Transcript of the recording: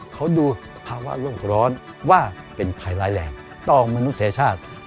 เขาดูภาวะโลกร้อนว่าเป็นภัยร้ายแรงต่อมนุษยชาติ